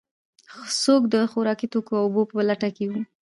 څوک د خوراکي توکو او اوبو په لټه کې و.